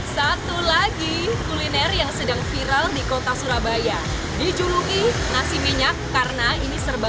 satu lagi kuliner yang sedang viral di kota surabaya dijuluki nasi minyak karena ini serba